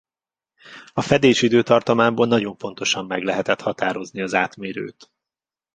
A fedés időtartamából nagyon pontosan meg lehetett határozni az átmérőt.